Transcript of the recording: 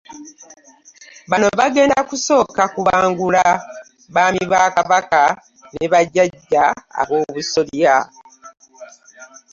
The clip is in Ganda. Bano bagenda kusooka kubangula baami ba Kabaka ne bajjajja ab'obusolya